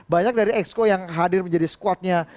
banyak dari exco yang hadir menjadi squadnya